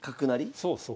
そうそう。